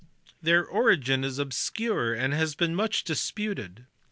Their origin is obscure and has been much disputed*.